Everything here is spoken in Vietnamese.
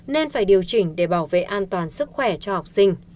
nên phải điều chỉnh để bảo vệ an toàn sức khỏe cho học sinh